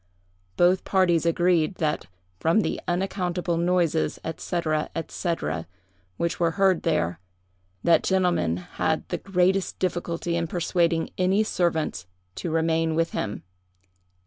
Both parties agreed that, from the unaccountable noises, &c., &c., which were heard there, that gentleman had the greatest difficulty in persuading any servants to remain with him.